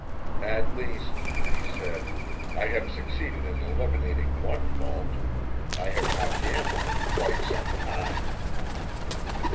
"At least," he said, "I have succeeded in eliminating one fault I have not gambled in quite some time."